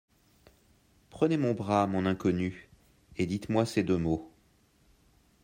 Prenez mon bras, mon inconnue, et dites-moi ces deux mots…